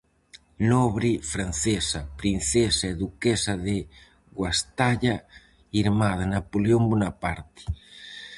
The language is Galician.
Nobre francesa, princesa e duquesa de Guastalla, irmá de Napoleón Bonaparte.